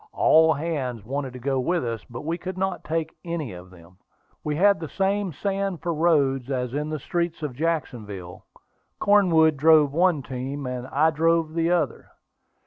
All hands wanted to go with us, but we could not take any of them. We had the same sand for roads as in the streets of Jacksonville. Cornwood drove one team, and I drove the other.